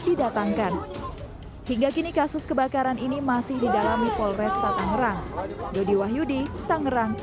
didatangkan hingga kini kasus kebakaran ini masih didalami polresta tangerang dodi wahyudi tangerang